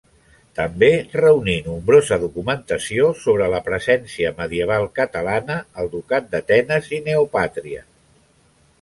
També reuní nombrosa documentació sobre la presència medieval catalana al Ducat d'Atenes i Neopàtria.